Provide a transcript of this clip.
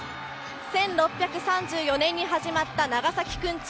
１６３４年に始まった長崎くんち。